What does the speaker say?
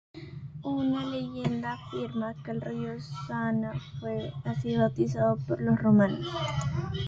Una leyenda afirma que el río Sana fue así bautizado por los romanos.